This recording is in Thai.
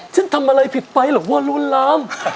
ฉันทำอะไรผิดไปหรอกว่าล้วนลาม